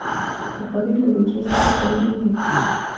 پکورې له روژې سره تړلي دي